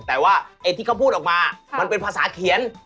แต่ว่าไอ้ที่เขาพูดออกมามันเป็นภาษาเขียน